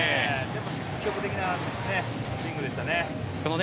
積極的なスイングでしたね。